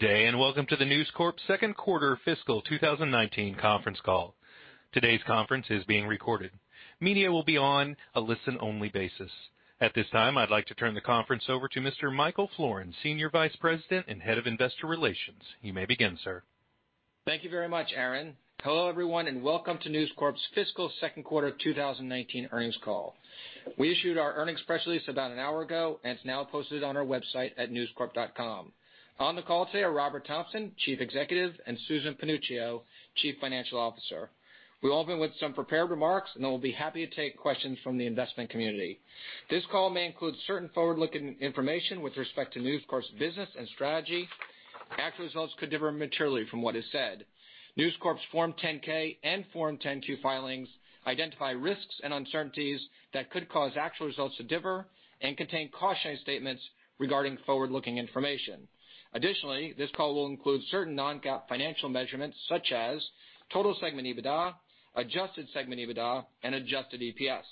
Good day. Welcome to the News Corp second quarter fiscal 2019 conference call. Today's conference is being recorded. Media will be on a listen-only basis. At this time, I'd like to turn the conference over to Mr. Michael Florin, Senior Vice President and Head of Investor Relations. You may begin, sir. Thank you very much, Aaron. Hello, everyone, and welcome to News Corp's fiscal second quarter 2019 earnings call. We issued our earnings press release about an hour ago, and it's now posted on our website at newscorp.com. On the call today are Robert Thomson, Chief Executive, and Susan Panuccio, Chief Financial Officer. We'll open with some prepared remarks, and then we'll be happy to take questions from the investment community. This call may include certain forward-looking information with respect to News Corp's business and strategy. Actual results could differ materially from what is said. News Corp's Form 10-K and Form 10-Q filings identify risks and uncertainties that could cause actual results to differ and contain cautionary statements regarding forward-looking information. Additionally, this call will include certain non-GAAP financial measurements such as total segment EBITDA, adjusted segment EBITDA, and adjusted EPS.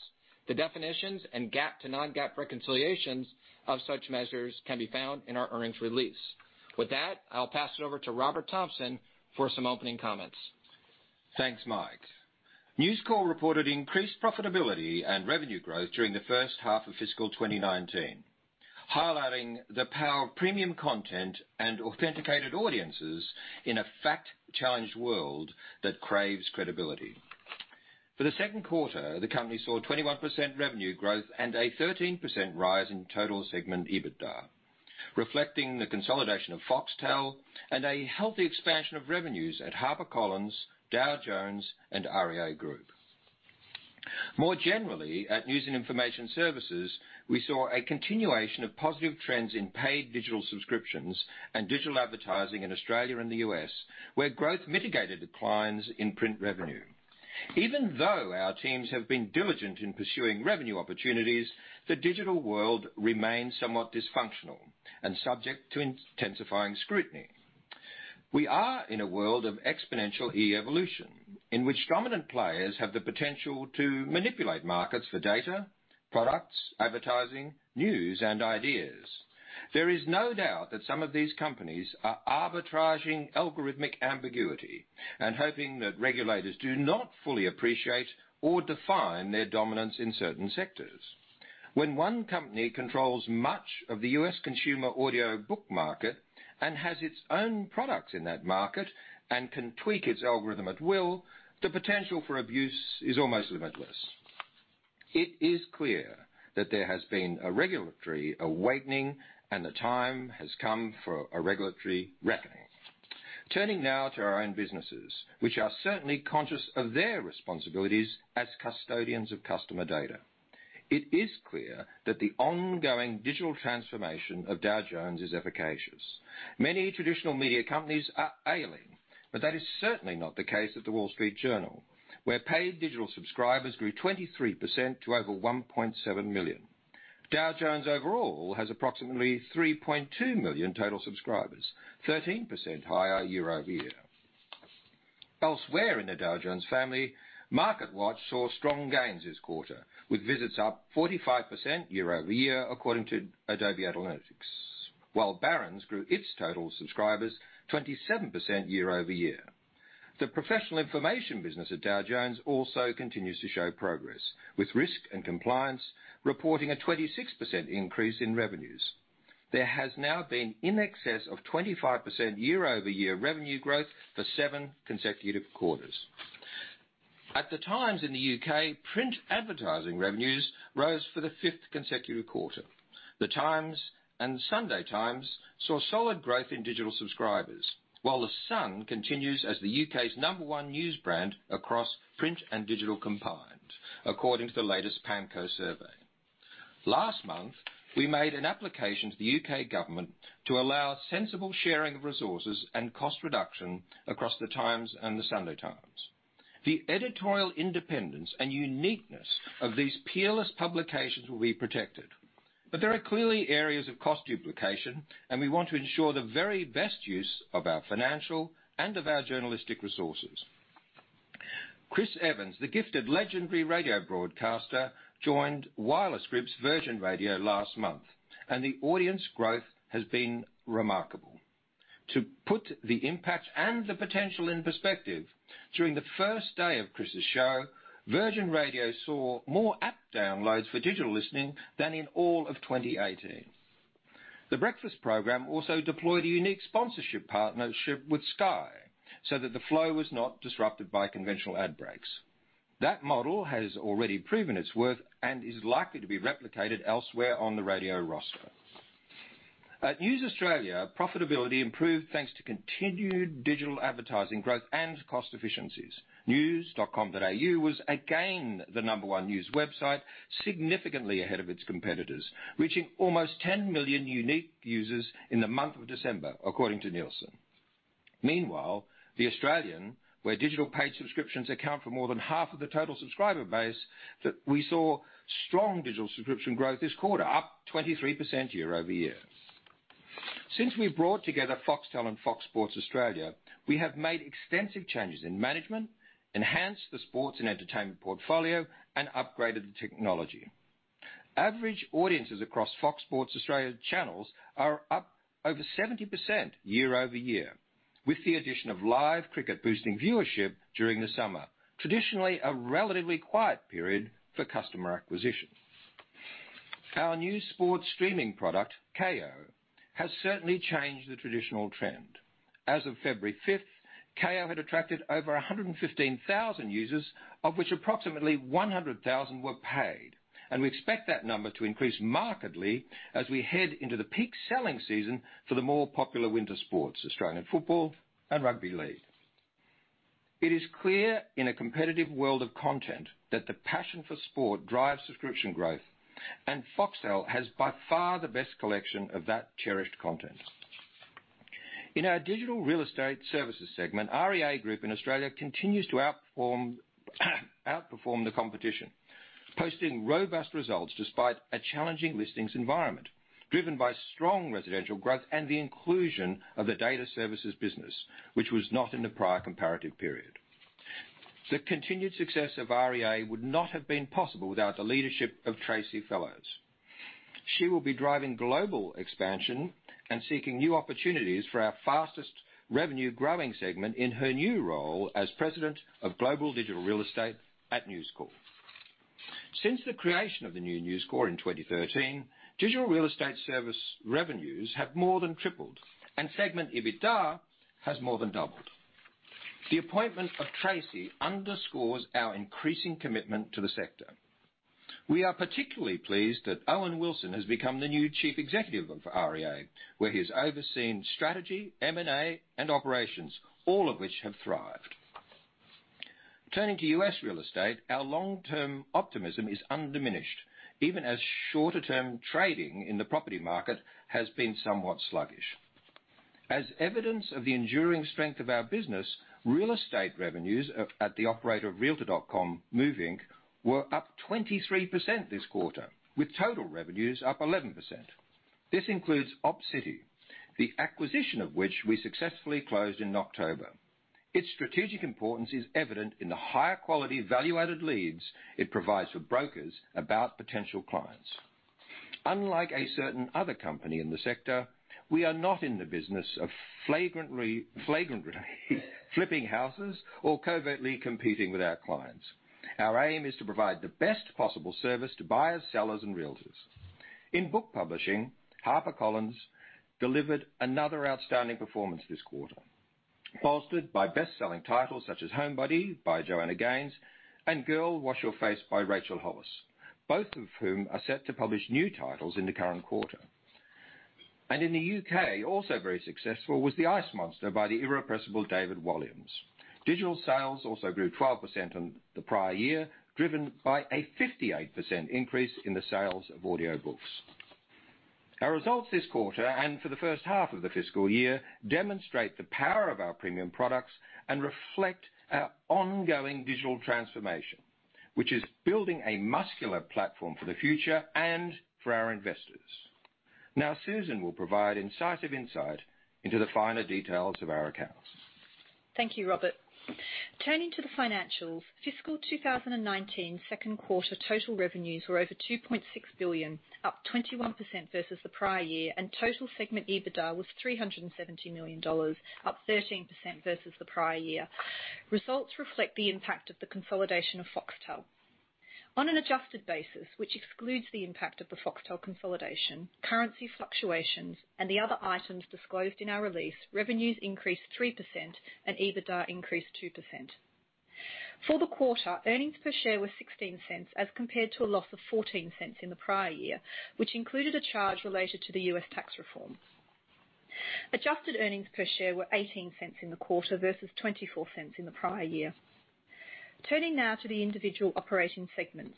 The definitions and GAAP to non-GAAP reconciliations of such measures can be found in our earnings release. With that, I'll pass it over to Robert Thomson for some opening comments. Thanks, Mike. News Corp reported increased profitability and revenue growth during the first half of fiscal 2019, highlighting the power of premium content and authenticated audiences in a fact-challenged world that craves credibility. For the second quarter, the company saw 21% revenue growth and a 13% rise in total segment EBITDA, reflecting the consolidation of Foxtel and a healthy expansion of revenues at HarperCollins, Dow Jones, and REA Group. More generally, at News and Information Services, we saw a continuation of positive trends in paid digital subscriptions and digital advertising in Australia and the U.S., where growth mitigated declines in print revenue. Even though our teams have been diligent in pursuing revenue opportunities, the digital world remains somewhat dysfunctional and subject to intensifying scrutiny. We are in a world of exponential e-evolution in which dominant players have the potential to manipulate markets for data, products, advertising, news, and ideas. There is no doubt that some of these companies are arbitraging algorithmic ambiguity and hoping that regulators do not fully appreciate or define their dominance in certain sectors. When one company controls much of the U.S. consumer audiobook market and has its own products in that market and can tweak its algorithm at will, the potential for abuse is almost limitless. It is clear that there has been a regulatory awakening, and the time has come for a regulatory reckoning. Turning now to our own businesses, which are certainly conscious of their responsibilities as custodians of customer data. It is clear that the ongoing digital transformation of Dow Jones is efficacious. Many traditional media companies are ailing, but that is certainly not the case at The Wall Street Journal, where paid digital subscribers grew 23% to over 1.7 million. Dow Jones overall has approximately 3.2 million total subscribers, 13% higher year-over-year. Elsewhere in the Dow Jones family, MarketWatch saw strong gains this quarter, with visits up 45% year-over-year, according to Adobe Analytics, while Barron's grew its total subscribers 27% year-over-year. The professional information business at Dow Jones also continues to show progress, with risk and compliance reporting a 26% increase in revenues. There has now been in excess of 25% year-over-year revenue growth for seven consecutive quarters. At The Times in the U.K., print advertising revenues rose for the fifth consecutive quarter. The Times and The Sunday Times saw solid growth in digital subscribers, while The Sun continues as the U.K.'s number one news brand across print and digital combined, according to the latest PAMCO survey. Last month, we made an application to the U.K. government to allow sensible sharing of resources and cost reduction across The Times and The Sunday Times. The editorial independence and uniqueness of these peerless publications will be protected, but there are clearly areas of cost duplication, and we want to ensure the very best use of our financial and of our journalistic resources. Chris Evans, the gifted legendary radio broadcaster, joined Wireless Group's Virgin Radio last month, and the audience growth has been remarkable. To put the impact and the potential in perspective, during the first day of Chris' show, Virgin Radio saw more app downloads for digital listening than in all of 2018. The Breakfast program also deployed a unique sponsorship partnership with Sky so that the flow was not disrupted by conventional ad breaks. That model has already proven its worth and is likely to be replicated elsewhere on the radio roster. At News Australia, profitability improved thanks to continued digital advertising growth and cost efficiencies. News.com.au was again the number one news website, significantly ahead of its competitors, reaching almost 10 million unique users in the month of December, according to Nielsen. Meanwhile, The Australian, where digital paid subscriptions account for more than half of the total subscriber base, we saw strong digital subscription growth this quarter, up 23% year-over-year. Since we brought together Foxtel and Fox Sports Australia, we have made extensive changes in management, enhanced the sports and entertainment portfolio, and upgraded the technology. Average audiences across Fox Sports Australia channels are up over 70% year-over-year, with the addition of live cricket boosting viewership during the summer, traditionally a relatively quiet period for customer acquisition. Our new sports streaming product, Kayo, has certainly changed the traditional trend. As of February 5th, Kayo had attracted over 115,000 users, of which approximately 100,000 were paid. We expect that number to increase markedly as we head into the peak selling season for the more popular winter sports, Australian football and rugby league. It is clear in a competitive world of content, that the passion for sport drives subscription growth, Foxtel has by far the best collection of that cherished content. In our Digital Real Estate Services segment, REA Group in Australia continues to outperform the competition, posting robust results despite a challenging listings environment, driven by strong residential growth and the inclusion of the data services business, which was not in the prior comparative period. The continued success of REA would not have been possible without the leadership of Tracey Fellows. She will be driving global expansion and seeking new opportunities for our fastest revenue-growing segment in her new role as President of Global Digital Real Estate at News Corp. Since the creation of the new News Corp in 2013, digital real estate service revenues have more than tripled, segment EBITDA has more than doubled. The appointment of Tracey underscores our increasing commitment to the sector. We are particularly pleased that Owen Wilson has become the new chief executive of REA, where he has overseen strategy, M&A, and operations, all of which have thrived. Turning to U.S. real estate, our long-term optimism is undiminished, even as shorter-term trading in the property market has been somewhat sluggish. As evidence of the enduring strength of our business, real estate revenues at the operator of realtor.com, Move, Inc., were up 23% this quarter, with total revenues up 11%. This includes Opcity, the acquisition of which we successfully closed in October. Its strategic importance is evident in the higher quality value-added leads it provides for brokers about potential clients. Unlike a certain other company in the sector, we are not in the business of flagrantly flipping houses or covertly competing with our clients. Our aim is to provide the best possible service to buyers, sellers, and realtors. In book publishing, HarperCollins delivered another outstanding performance this quarter, bolstered by best-selling titles such as "Homebody" by Joanna Gaines, "Girl, Wash Your Face" by Rachel Hollis, both of whom are set to publish new titles in the current quarter. In the U.K., also very successful was "The Ice Monster" by the irrepressible David Walliams. Digital sales also grew 12% on the prior year, driven by a 58% increase in the sales of audiobooks. Our results this quarter, for the first half of the fiscal year, demonstrate the power of our premium products and reflect our ongoing digital transformation, which is building a muscular platform for the future and for our investors. Susan will provide incisive insight into the finer details of our accounts. Thank you, Robert. Turning to the financials, fiscal 2019 second quarter total revenues were over $2.6 billion, up 21% versus the prior year, and total segment EBITDA was $370 million, up 13% versus the prior year. Results reflect the impact of the consolidation of Foxtel. On an adjusted basis, which excludes the impact of the Foxtel consolidation, currency fluctuations, and the other items disclosed in our release, revenues increased 3% and EBITDA increased 2%. For the quarter, earnings per share were $0.16 as compared to a loss of $0.14 in the prior year, which included a charge related to the U.S. tax reform. Adjusted earnings per share were $0.18 in the quarter versus $0.24 in the prior year. Turning now to the individual operating segments.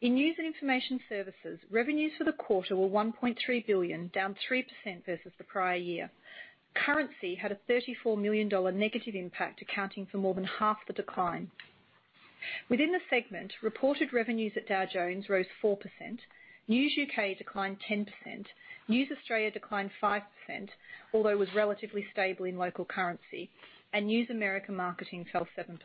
In news and information services, revenues for the quarter were $1.3 billion, down 3% versus the prior year. Currency had a $34 million negative impact, accounting for more than half the decline. Within the segment, reported revenues at Dow Jones rose 4%, News UK declined 10%, News Australia declined 5%, although it was relatively stable in local currency, and News America Marketing fell 7%.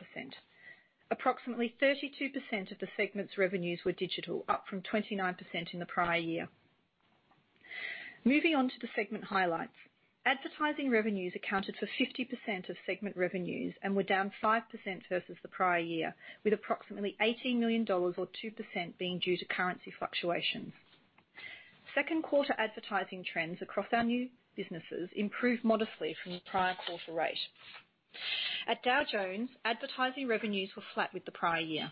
Approximately 32% of the segment's revenues were digital, up from 29% in the prior year. Moving on to the segment highlights. Advertising revenues accounted for 50% of segment revenues and were down 5% versus the prior year, with approximately $18 million or 2% being due to currency fluctuations. Second quarter advertising trends across our new businesses improved modestly from the prior quarter rate. At Dow Jones, advertising revenues were flat with the prior year.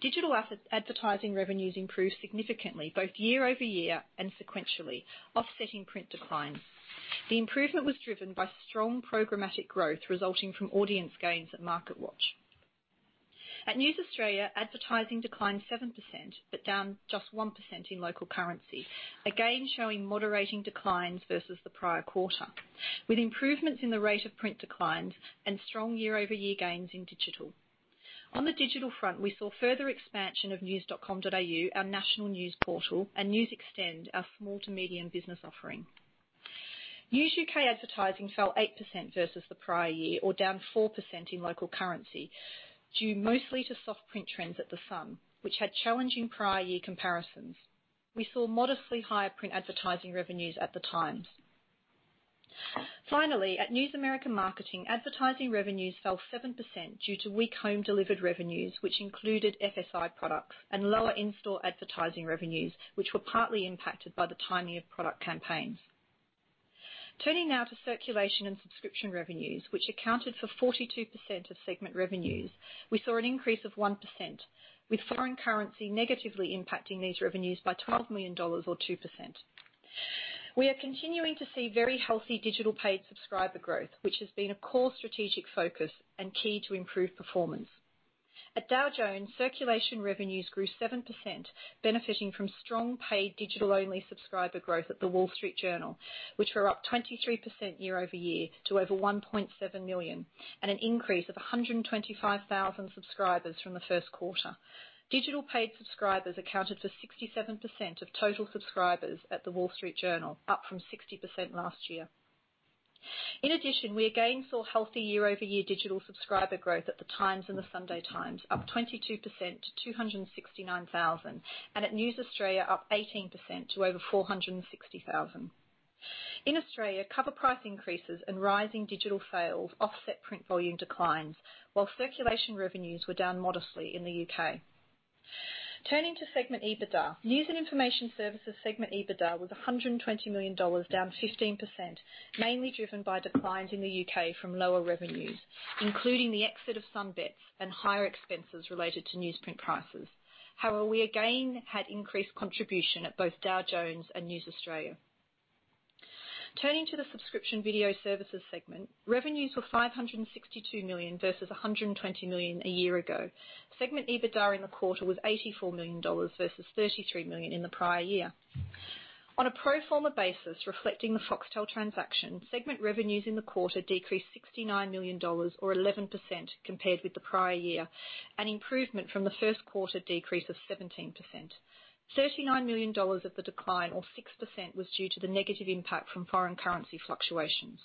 Digital advertising revenues improved significantly, both year-over-year and sequentially, offsetting print declines. The improvement was driven by strong programmatic growth resulting from audience gains at MarketWatch. At News Australia, advertising declined 7%, but down just 1% in local currency. Again, showing moderating declines versus the prior quarter, with improvements in the rate of print declines and strong year-over-year gains in digital. On the digital front, we saw further expansion of news.com.au, our national news portal, and News Xtend, our small-to-medium business offering. News UK advertising fell 8% versus the prior year, or down 4% in local currency, due mostly to soft print trends at The Sun, which had challenging prior year comparisons. We saw modestly higher print advertising revenues at The Times. Finally, at News America Marketing, advertising revenues fell 7% due to weak home-delivered revenues, which included FSI products and lower in-store advertising revenues, which were partly impacted by the timing of product campaigns. Turning now to circulation and subscription revenues, which accounted for 42% of segment revenues. We saw an increase of 1%, with foreign currency negatively impacting these revenues by $12 million or 2%. We are continuing to see very healthy digital paid subscriber growth, which has been a core strategic focus and key to improved performance. At Dow Jones, circulation revenues grew 7%, benefiting from strong paid digital-only subscriber growth at The Wall Street Journal, which were up 23% year-over-year to over 1.7 million, and an increase of 125,000 subscribers from the first quarter. Digital paid subscribers accounted for 67% of total subscribers at The Wall Street Journal, up from 60% last year. In addition, we again saw healthy year-over-year digital subscriber growth at The Times and The Sunday Times, up 22% to 269,000, and at News Australia, up 18% to over 460,000. In Australia, cover price increases and rising digital sales offset print volume declines, while circulation revenues were down modestly in the U.K. Turning to segment EBITDA. News and Information Services segment EBITDA was $120 million, down 15%, mainly driven by declines in the U.K. from lower revenues, including the exit of some bits and higher expenses related to newsprint prices. However, we again had increased contribution at both Dow Jones and News Australia. Turning to the subscription video services segment. Revenues were $562 million versus $120 million a year ago. Segment EBITDA in the quarter was $84 million versus $33 million in the prior year. On a pro forma basis reflecting the Foxtel transaction, segment revenues in the quarter decreased $69 million or 11% compared with the prior year, an improvement from the first quarter decrease of 17%. $39 million of the decline or 6% was due to the negative impact from foreign currency fluctuations.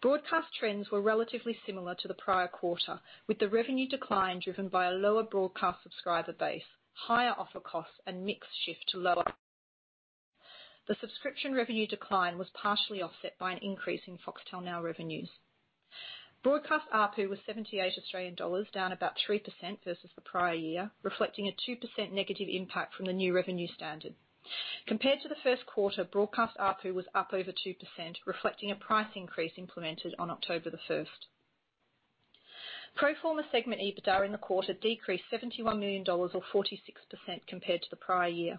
Broadcast trends were relatively similar to the prior quarter, with the revenue decline driven by a lower broadcast subscriber base, higher offer costs, and mix shift to lower. The subscription revenue decline was partially offset by an increase in Foxtel Now revenues. Broadcast ARPU was 78 Australian dollars, down about 3% versus the prior year, reflecting a 2% negative impact from the new revenue standard. Compared to the first quarter, broadcast ARPU was up over 2%, reflecting a price increase implemented on October the 1st. Pro forma segment EBITDA in the quarter decreased $71 million or 46% compared to the prior year.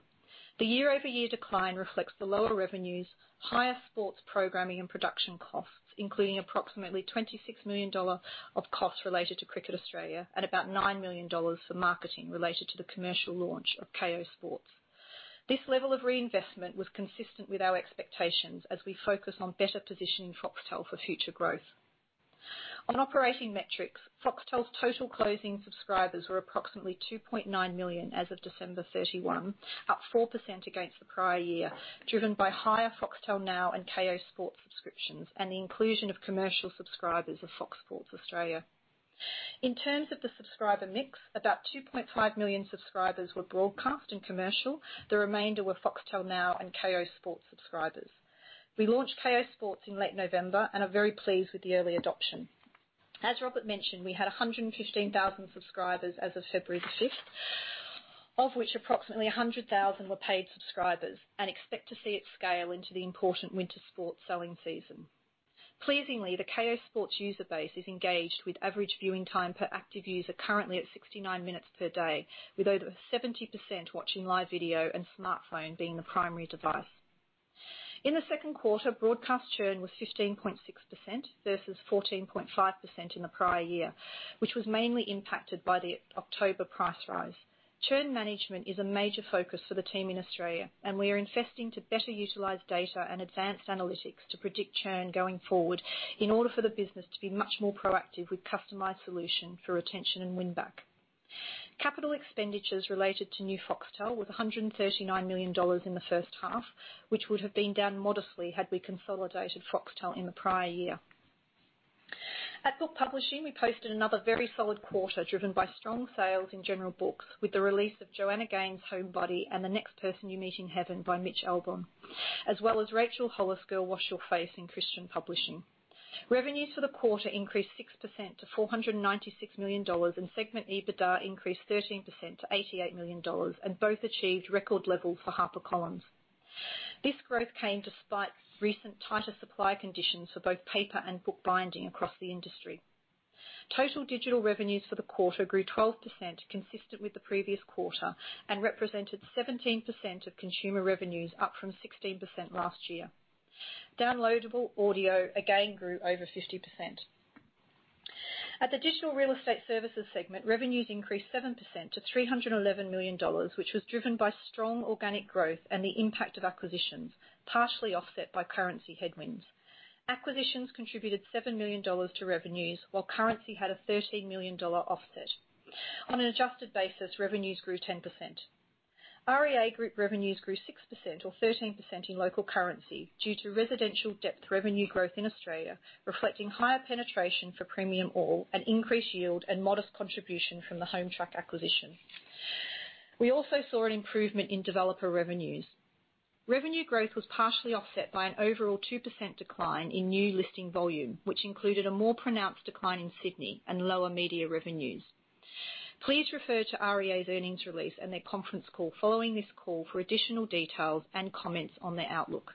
The year-over-year decline reflects the lower revenues, higher sports programming, and production costs, including approximately $26 million of costs related to Cricket Australia at about $9 million for marketing related to the commercial launch of Kayo Sports. This level of reinvestment was consistent with our expectations as we focus on better positioning Foxtel for future growth. On operating metrics, Foxtel's total closing subscribers were approximately 2.9 million as of December 31, up 4% against the prior year, driven by higher Foxtel Now and Kayo Sports subscriptions and the inclusion of commercial subscribers of Fox Sports Australia. In terms of the subscriber mix, about 2.5 million subscribers were broadcast and commercial. The remainder were Foxtel Now and Kayo Sports subscribers. We launched Kayo Sports in late November and are very pleased with the early adoption. As Robert mentioned, we had 115,000 subscribers as of February the 5th, of which approximately 100,000 were paid subscribers, and expect to see it scale into the important winter sports selling season. Pleasingly, the Kayo Sports user base is engaged with average viewing time per active user currently at 69 minutes per day, with over 70% watching live video and smartphone being the primary device. In the second quarter, broadcast churn was 15.6% versus 14.5% in the prior year, which was mainly impacted by the October price rise. Churn management is a major focus for the team in Australia, and we are investing to better utilize data and advanced analytics to predict churn going forward in order for the business to be much more proactive with customized solution for retention and win-back. Capital expenditures related to new Foxtel was $139 million in the first half, which would have been down modestly had we consolidated Foxtel in the prior year. At Book Publishing, we posted another very solid quarter driven by strong sales in general books with the release of Joanna Gaines' Homebody and The Next Person You Meet in Heaven by Mitch Albom, as well as Rachel Hollis' Girl, Wash Your Face in Christian publishing. Revenues for the quarter increased 6% to $496 million, segment EBITDA increased 13% to $88 million, both achieved record levels for HarperCollins. This growth came despite recent tighter supply conditions for both paper and bookbinding across the industry. Total digital revenues for the quarter grew 12%, consistent with the previous quarter, represented 17% of consumer revenues, up from 16% last year. Downloadable audio again grew over 50%. At the Digital Real Estate Services segment, revenues increased 7% to $311 million, which was driven by strong organic growth and the impact of acquisitions, partially offset by currency headwinds. Acquisitions contributed $7 million to revenues, while currency had a $13 million offset. On an adjusted basis, revenues grew 10%. REA Group revenues grew 6% or 13% in local currency due to residential depth revenue growth in Australia, reflecting higher penetration for Premium All, an increased yield, and modest contribution from the Hometrack acquisition. We also saw an improvement in developer revenues. Revenue growth was partially offset by an overall 2% decline in new listing volume, which included a more pronounced decline in Sydney and lower media revenues. Please refer to REA's earnings release and their conference call following this call for additional details and comments on their outlook.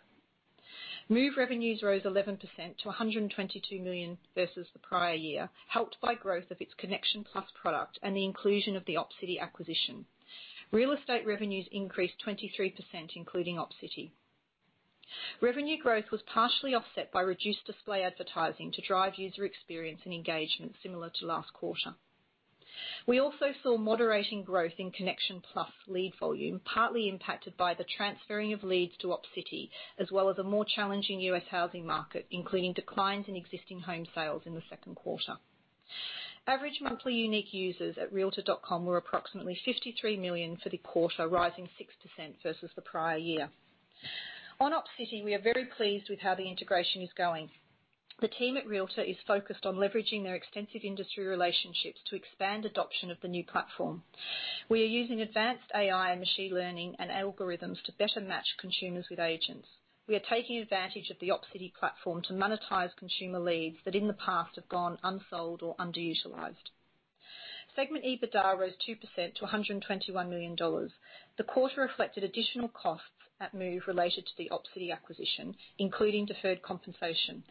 Move revenues rose 11% to $122 million versus the prior year, helped by growth of its Connection Plus product and the inclusion of the Opcity acquisition. Real estate revenues increased 23%, including Opcity. Revenue growth was partially offset by reduced display advertising to drive user experience and engagement, similar to last quarter. We also saw moderating growth in Connection Plus lead volume, partly impacted by the transferring of leads to Opcity, as well as a more challenging U.S. housing market, including declines in existing home sales in the second quarter. Average monthly unique users at realtor.com were approximately 53 million for the quarter, rising 6% versus the prior year. On Opcity, we are very pleased with how the integration is going. The team at Realtor is focused on leveraging their extensive industry relationships to expand adoption of the new platform. We are using advanced AI and machine learning and algorithms to better match consumers with agents. We are taking advantage of the Opcity platform to monetize consumer leads that in the past have gone unsold or underutilized. Segment EBITDA rose 2% to $121 million. The quarter reflected additional costs at Move related to the Opcity acquisition, including deferred compensation,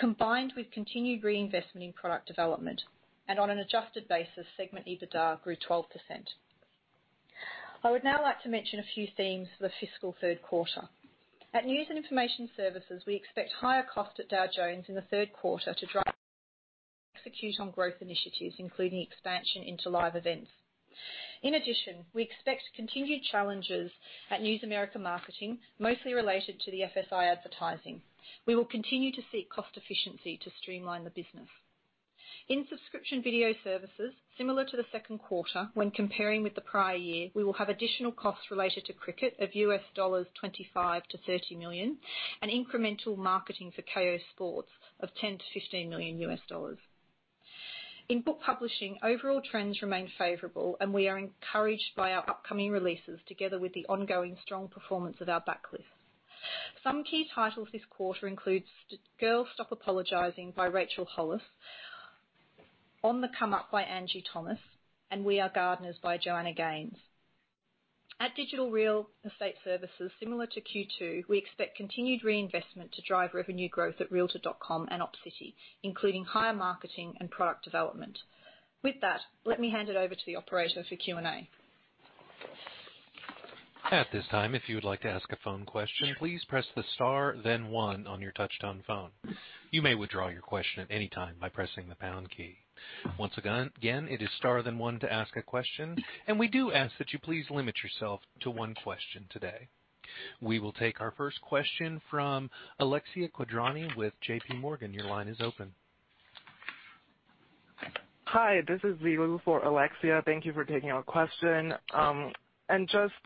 combined with continued reinvestment in product development. On an adjusted basis, segment EBITDA grew 12%. I would now like to mention a few themes for the fiscal third quarter. At News and Information Services, we expect higher costs at Dow Jones in the third quarter to drive execute on growth initiatives, including expansion into live events. We expect continued challenges at News America Marketing, mostly related to the FSI advertising. We will continue to seek cost efficiency to streamline the business. In subscription video services, similar to the second quarter, when comparing with the prior year, we will have additional costs related to cricket of $25 million-$30 million and incremental marketing for Kayo Sports of $10 million-$15 million. In book publishing, overall trends remain favorable, and we are encouraged by our upcoming releases together with the ongoing strong performance of our backlist. Some key titles this quarter includes Girl, Stop Apologizing by Rachel Hollis, On the Come Up by Angie Thomas, and We Are Gardeners by Joanna Gaines. At Digital Real Estate Services, similar to Q2, we expect continued reinvestment to drive revenue growth at realtor.com and Opcity, including higher marketing and product development. Let me hand it over to the operator for Q&A. At this time, if you would like to ask a phone question, please press the star then one on your touch-tone phone. You may withdraw your question at any time by pressing the pound key. Once again, it is star then one to ask a question, and we do ask that you please limit yourself to one question today. We will take our first question from Alexia Quadrani with J.P. Morgan. Your line is open. Hi. This is Zilu for Alexia. Thank you for taking our question.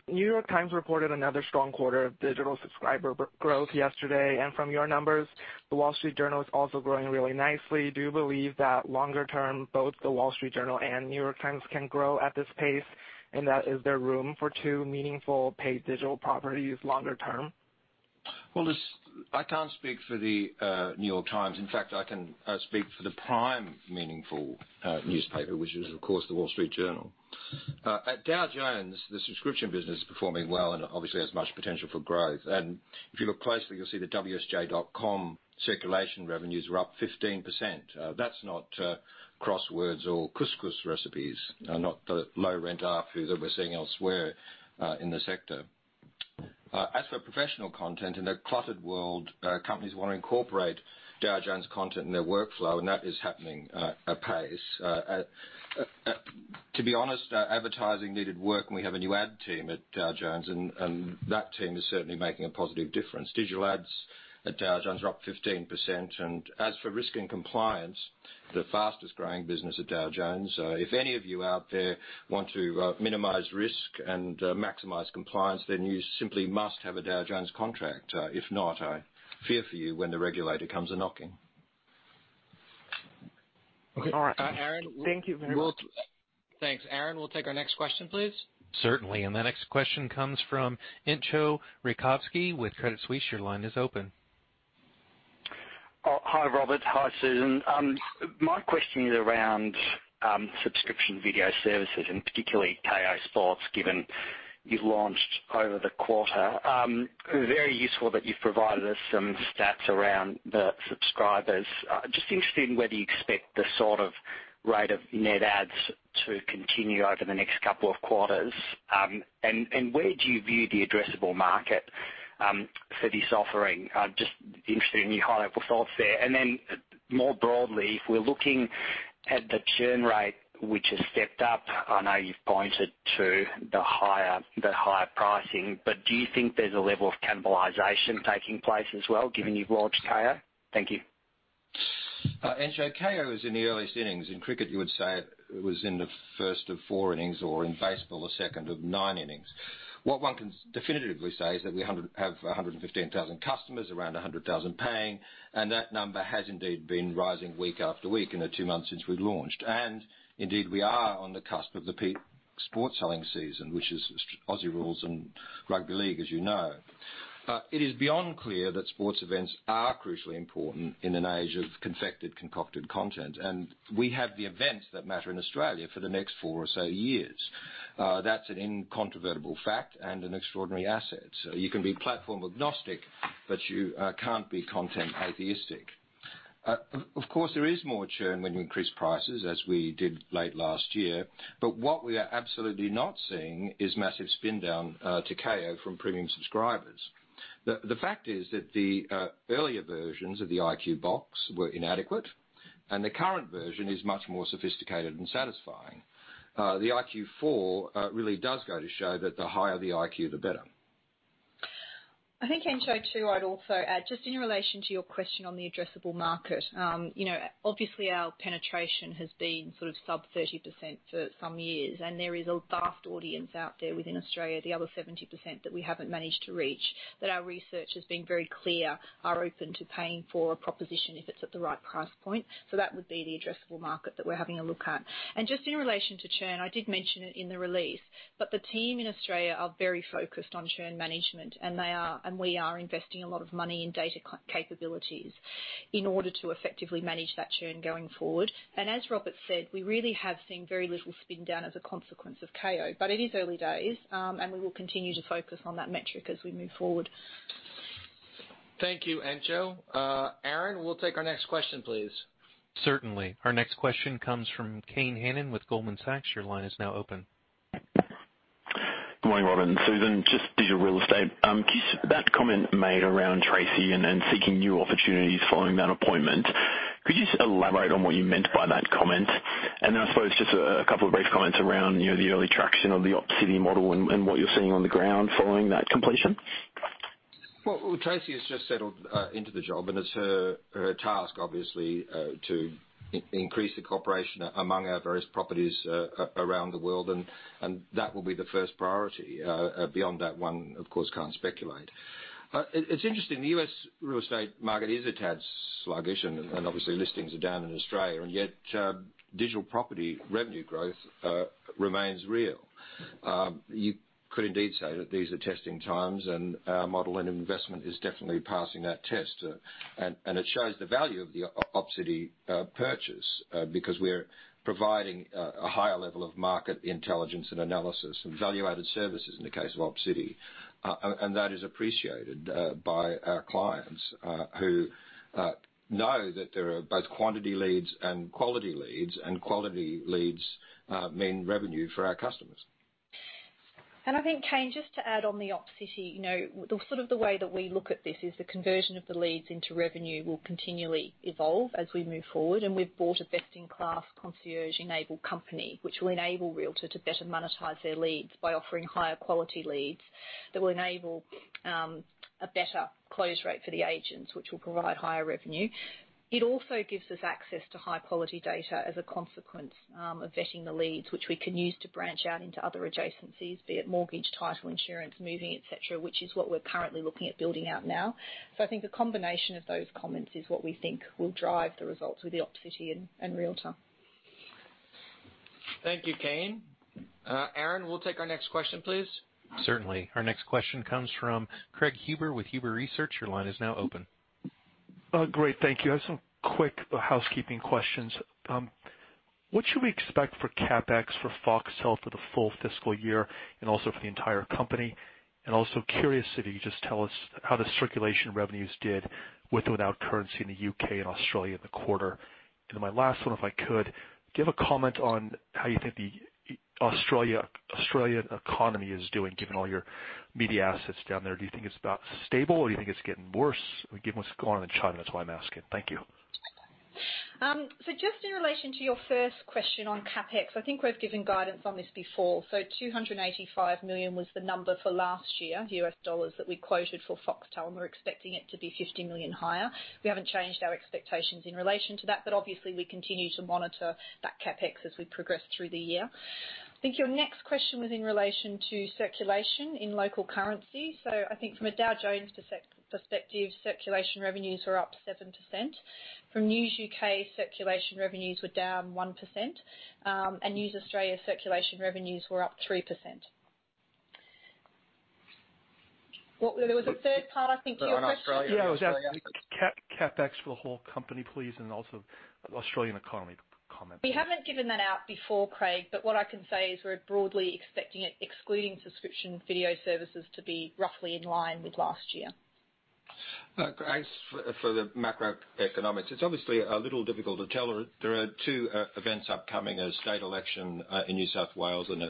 New York Times reported another strong quarter of digital subscriber growth yesterday. From your numbers, The Wall Street Journal is also growing really nicely. Do you believe that longer term, both The Wall Street Journal and New York Times can grow at this pace, and that is there room for two meaningful paid digital properties longer term? Listen, I can't speak for The New York Times. I can speak for the prime meaningful newspaper, which is, of course, The Wall Street Journal. At Dow Jones, the subscription business is performing well and obviously has much potential for growth. If you look closely, you'll see that wsj.com circulation revenues were up 15%. That's not crosswords or couscous recipes, not the low-rent fare that we're seeing elsewhere in the sector. As for professional content, in a cluttered world companies want to incorporate Dow Jones content in their workflow, and that is happening at pace. To be honest, advertising needed work, and we have a new ad team at Dow Jones, and that team is certainly making a positive difference. Digital ads at Dow Jones are up 15%. As for risk and compliance, the fastest-growing business at Dow Jones, if any of you out there want to minimize risk and maximize compliance, you simply must have a Dow Jones contract. If not, I fear for you when the regulator comes a-knocking. Okay. All right. Thank you very much. Thanks. Aaron, we'll take our next question, please. Certainly. The next question comes from Entcho Raykovski with Credit Suisse. Your line is open. Oh, hi, Robert. Hi, Susan. My question is around subscription video services, particularly Kayo Sports, given you've launched over the quarter. Very useful that you've provided us some stats around the subscribers. Just interested in whether you expect the rate of net adds to continue over the next couple of quarters. Where do you view the addressable market for this offering? Just interested in your highlight for thoughts there. More broadly, if we're looking at the churn rate, which has stepped up, I know you've pointed to the higher pricing, do you think there's a level of cannibalization taking place as well, given you've launched Kayo? Thank you. Entcho, Kayo is in the earliest innings. In cricket, you would say it was in the first of four innings, or in baseball, the second of nine innings. What one can definitively say is that we have 115,000 customers, around 100,000 paying, that number has indeed been rising week after week in the two months since we've launched. Indeed, we are on the cusp of the peak sports selling season, which is Aussie rules and rugby league, as you know. It is beyond clear that sports events are crucially important in an age of confected, concocted content. We have the events that matter in Australia for the next four or so years. That's an incontrovertible fact and an extraordinary asset. You can be platform-agnostic, but you can't be content-atheistic. Of course, there is more churn when you increase prices, as we did late last year. What we are absolutely not seeing is massive spin down to Kayo from premium subscribers. The fact is that the earlier versions of the IQ box were inadequate. The current version is much more sophisticated and satisfying. The iQ4 really does go to show that the higher the IQ, the better. Entcho, I'd also add, just in relation to your question on the addressable market. Our penetration has been sub 30% for some years. There is a vast audience out there within Australia, the other 70% that we haven't managed to reach, that our research has been very clear are open to paying for a proposition if it's at the right price point. That would be the addressable market that we're having a look at. In relation to churn, I did mention it in the release, the team in Australia are very focused on churn management. We are investing a lot of money in data capabilities in order to effectively manage that churn going forward. As Robert said, we really have seen very little spin down as a consequence of Kayo. It is early days, and we will continue to focus on that metric as we move forward. Thank you, Entcho. Aaron, we'll take our next question, please. Certainly. Our next question comes from Kane Hannan with Goldman Sachs. Your line is now open. Good morning, Robert and Susan. Just a bit of real estate. That comment made around Tracey and seeking new opportunities following that appointment, could you just elaborate on what you meant by that comment? Then I suppose just a couple of brief comments around the early traction of the Opcity model and what you're seeing on the ground following that completion. Tracey has just settled into the job. It's her task, obviously, to increase the cooperation among our various properties around the world. That will be the first priority. Beyond that one, of course, can't speculate. It's interesting, the U.S. real estate market is a tad sluggish. Obviously, listings are down in Australia, yet digital property revenue growth remains real. You could indeed say that these are testing times. Our model and investment is definitely passing that test. It shows the value of the Opcity purchase, because we're providing a higher level of market intelligence and analysis and value-added services in the case of Opcity. That is appreciated by our clients who know that there are both quantity leads and quality leads. Quality leads mean revenue for our customers. I think, Kane, just to add on the Opcity, the way that we look at this is the conversion of the leads into revenue will continually evolve as we move forward. We've bought a best-in-class concierge-enabled company, which will enable realtor.com to better monetize their leads by offering higher quality leads that will enable a better close rate for the agents, which will provide higher revenue. It also gives us access to high-quality data as a consequence of vetting the leads, which we can use to branch out into other adjacencies, be it mortgage, title insurance, moving, et cetera, which is what we're currently looking at building out now. I think a combination of those comments is what we think will drive the results with the Opcity and realtor.com. Thank you, Kane. Aaron, we'll take our next question, please. Certainly. Our next question comes from Craig Huber with Huber Research. Your line is now open. Great. Thank you. I have some quick housekeeping questions. What should we expect for CapEx for Foxtel for the full fiscal year and also for the entire company? Also curious if you could just tell us how the circulation revenues did with or without currency in the U.K. and Australia in the quarter. My last one, if I could, give a comment on how you think the Australian economy is doing, given all your media assets down there. Do you think it's about stable, or do you think it's getting worse? Given what's going on in China, that's why I'm asking. Thank you. Just in relation to your first question on CapEx, I think we've given guidance on this before. $285 million was the number for last year, U.S. dollars that we quoted for Foxtel, and we're expecting it to be $50 million higher. We haven't changed our expectations in relation to that, but obviously, we continue to monitor that CapEx as we progress through the year. I think your next question was in relation to circulation in local currency. I think from a Dow Jones perspective, circulation revenues were up 7%. From News UK, circulation revenues were down 1%, and News Australia circulation revenues were up 3%. There was a third part, I think, to your question. On Australia. Yeah. It was about CapEx for the whole company, please, and also Australian economy comment, please. We haven't given that out before, Craig, but what I can say is we're broadly expecting it, excluding subscription video services, to be roughly in line with last year. Craig, for the macroeconomics, it's obviously a little difficult to tell. There are two events upcoming, a state election in New South Wales and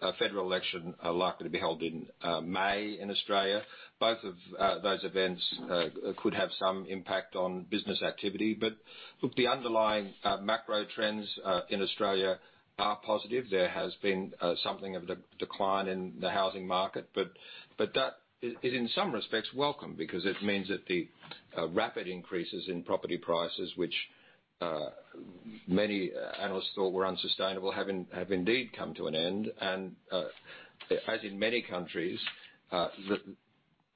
a federal election are likely to be held in May in Australia. Both of those events could have some impact on business activity. Look, the underlying macro trends in Australia are positive. There has been something of a decline in the housing market, but that is, in some respects, welcome because it means that the rapid increases in property prices, which many analysts thought were unsustainable have indeed come to an end. As in many countries,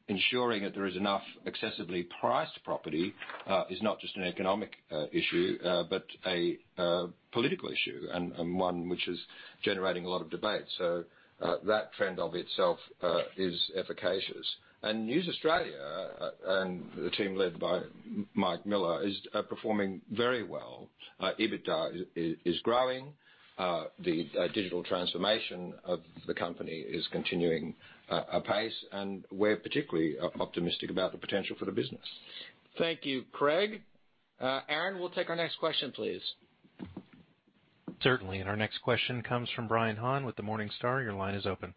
ensuring that there is enough accessibly priced property is not just an economic issue, but a political issue, and one which is generating a lot of debate. That trend of itself is efficacious. News Australia, and the team led by Mike Miller, is performing very well. EBITDA is growing. The digital transformation of the company is continuing apace, and we're particularly optimistic about the potential for the business. Thank you, Craig. Aaron, we'll take our next question, please. Certainly. Our next question comes from Brian Han with Morningstar. Your line is open.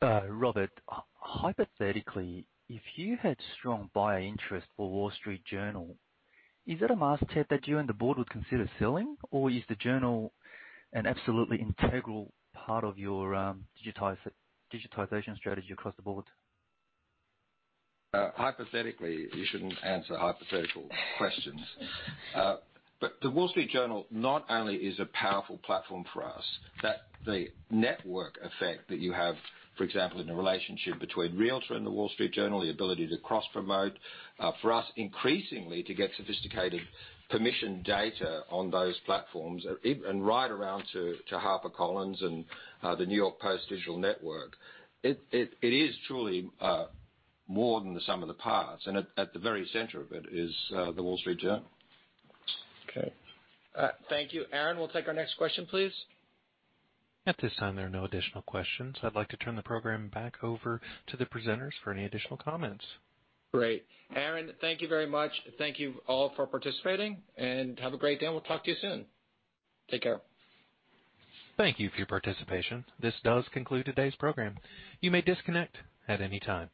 Robert, hypothetically, if you had strong buyer interest for The Wall Street Journal, is that an asset that you and the board would consider selling, or is The Wall Street Journal an absolutely integral part of your digitization strategy across the board? Hypothetically, you shouldn't answer hypothetical questions. The Wall Street Journal not only is a powerful platform for us, that the network effect that you have, for example, in a relationship between Realtor and The Wall Street Journal, the ability to cross-promote, for us increasingly to get sophisticated permission data on those platforms, and right around to HarperCollins and the New York Post digital network. It is truly more than the sum of the parts. At the very center of it is The Wall Street Journal. Okay. Thank you. Aaron, we'll take our next question, please. At this time, there are no additional questions. I'd like to turn the program back over to the presenters for any additional comments. Great. Aaron, thank you very much. Thank you all for participating, and have a great day, and we'll talk to you soon. Take care. Thank you for your participation. This does conclude today's program. You may disconnect at any time.